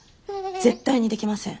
絶対にできません。